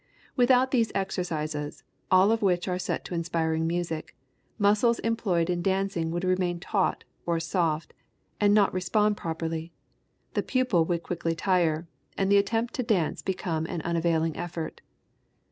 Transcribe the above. Without these exercises, all of which are set to inspiring music, muscles employed in dancing would remain taut or soft and not respond properly, the pupil would quickly tire, and the attempt to dance become an unavailing effort.